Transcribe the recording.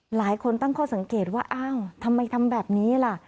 หลายคนตั้งข้อสังเกตว่าอ้าวทำไมทำแบบนี้ล่ะ